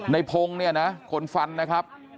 ในพงศ์เนี่ยนะคนฟันนะครับ